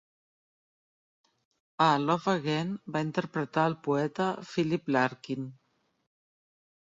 A "Love Again", va interpretar el poeta Philip Larkin.